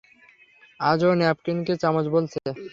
আজও ও ন্যাপকিনকে চামচ বলছে।